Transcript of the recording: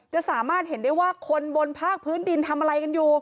จะสามารถเห็นได้ว่าคนบนภาคพื้นดินทำอะไรกันอยู่